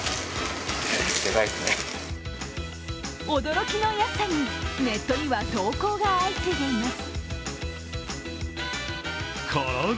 驚きの安さにネットには投稿が相次いでいます。